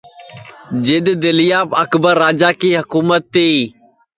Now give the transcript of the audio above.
جِدؔ دِلیاپ اکبر راجا کی حکُمت تی